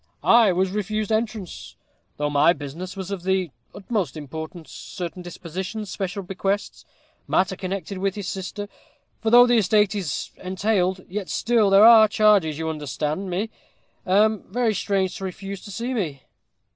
"I was refused entrance, though my business was of the utmost importance certain dispositions special bequests matter connected with his sister for though the estate is entailed, yet still there are charges you understand me very strange to refuse to see me.